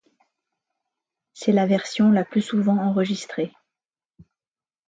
C'est la version la plus souvent enregistrée.